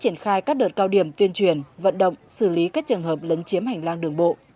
triển khai các đợt cao điểm tuyên truyền vận động xử lý các trường hợp lấn chiếm hành lang đường bộ